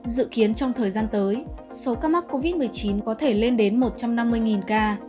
dự kiến trong thời gian tới số ca mắc covid một mươi chín có thể lên đến một trăm năm mươi ca